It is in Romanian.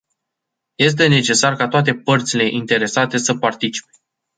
Este necesar ca toate părțile interesate să participe.